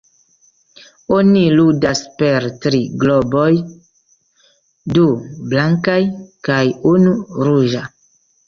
Oni ludas per tri globoj: du blankaj kaj unu ruĝa.